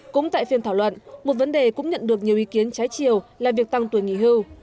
cũng tại phiên thảo luận một vấn đề cũng nhận được nhiều ý kiến trái chiều là việc tăng tuổi nghỉ hưu